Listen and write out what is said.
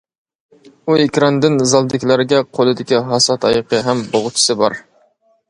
ئۇ ئېكراندىن زالدىكىلەرگە قولىدىكى ھاسا تايىقى ھەم بوغچىسى بار.